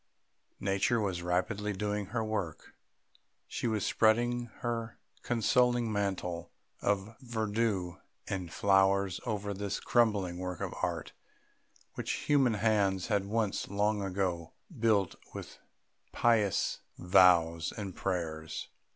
Nature was rapidly doing her work; she was spreading her consoling mantle of verdure and flowers over this crumbling work of art, which human hands had once, long ago, built with pious vows and prayers.